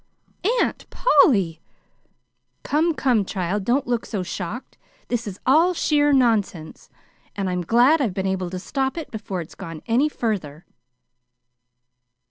"AUNT POLLY!" "Come, come, child, don't look so shocked. This is all sheer nonsense, and I'm glad I've been able to stop it before it's gone any further."